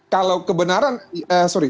kalau kebenaran sorry